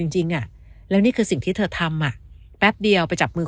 จริงอ่ะแล้วนี่คือสิ่งที่เธอทำอ่ะแป๊บเดียวไปจับมือ